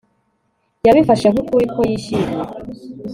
Yabifashe nkukuri ko yishimye